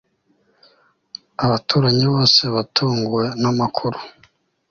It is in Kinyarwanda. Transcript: abaturanyi bose batunguwe namakuru